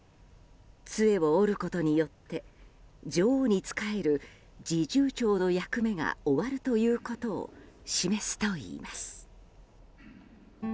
杖を折ることによって女王に仕える侍従長の役目が終わるということを示すといいます。